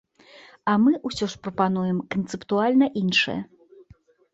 А мы ўсе ж прапануем канцэптуальна іншае.